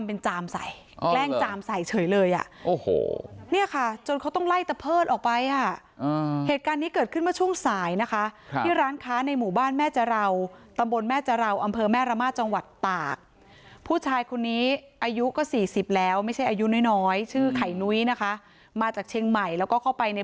เป็นจามใส่แกล้งจามใส่เฉยเลยอ่ะโอ้โหเนี่ยค่ะจนเขาต้องไล่ตะเพิดออกไปอ่ะเหตุการณ์นี้เกิดขึ้นเมื่อช่วงสายนะคะที่ร้านค้าในหมู่บ้านแม่จะราวตำบลแม่จาราวอำเภอแม่ระมาทจังหวัดตากผู้ชายคนนี้อายุก็สี่สิบแล้วไม่ใช่อายุน้อยน้อยชื่อไข่นุ้ยนะคะมาจากเชียงใหม่แล้วก็เข้าไปใน